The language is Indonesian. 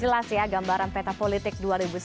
jelas ya gambaran peta politik dua ribu sembilan belas